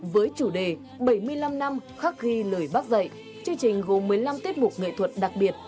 với chủ đề bảy mươi năm năm khắc ghi lời bác dạy chương trình gồm một mươi năm tiết mục nghệ thuật đặc biệt